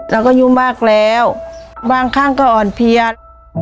แล้วก็ยุ่มมากแล้วบางครั้งก็อ่อนเพียร